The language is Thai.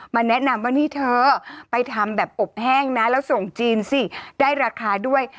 แนะนำว่านี่เธอไปทำแบบอบแห้งนะแล้วส่งจีนสิได้ราคาด้วย